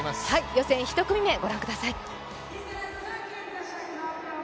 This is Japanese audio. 予選１組目、ご覧ください。